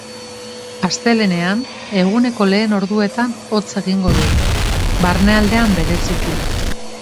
Astelehenean, eguneko lehen orduetan hotz egingo du, barnealdean bereziki.